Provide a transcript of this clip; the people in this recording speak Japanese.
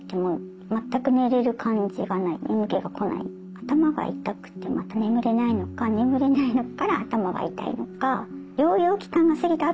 頭が痛くてまた眠れないのか眠れないから頭が痛いのか。